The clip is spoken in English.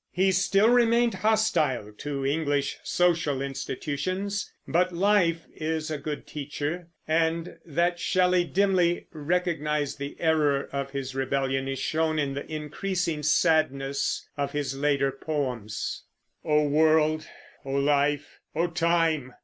He still remained hostile to English social institutions; but life is a good teacher, and that Shelley dimly recognized the error of his rebellion is shown in the increasing sadness of his later poems: O world, O life, O time!